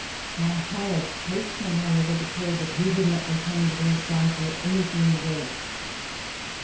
My hired coachman, however, declared that he would not return to Versailles for anything in the world.